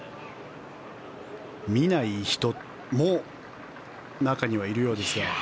見ない人も中に入るようですが。